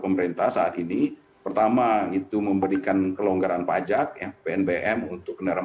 pemerintah saat ini pertama itu memberikan kelonggaran pajak yang pnbm untuk kendaraan